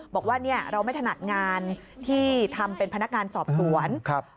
บอกว่าเราไม่ถนัดงานที่ทำเป็นพนักงานสอบสวน